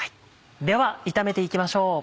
では炒めて行きましょう。